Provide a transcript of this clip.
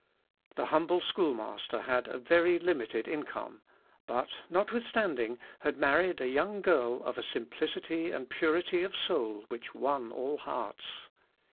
The humble schoolmaster had a very limited income; but, notwithstanding, had married a young girl of a simplicity and purity of soul which won all hearts.